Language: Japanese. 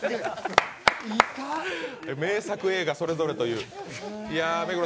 名作映画それぞれという。